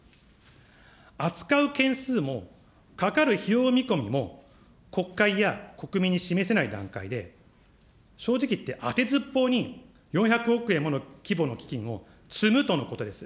扱う件数も、かかる費用見込みも、国会や国民に示せない段階で、正直いってあてずっぽうに４００億円もの規模の基金を積むとのことです。